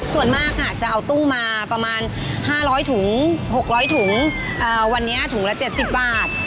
ส่วนมากจะเอาตู้มาประมาณ๕๐๐ถุง๖๐๐ถุงวันนี้ถุงละ๗๐บาท